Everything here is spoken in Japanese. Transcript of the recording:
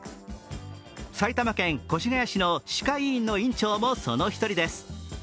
埼玉県越谷市の歯科医院の院長もその１人です。